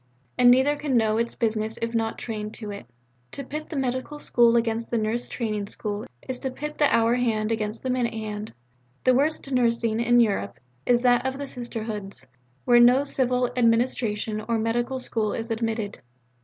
And neither can know its business if not trained to it. To pit the medical school against the nurse training school is to pit the hour hand against the minute hand. The worst nursing in Europe is that of Sisterhoods, where no civil administration or medical school is admitted.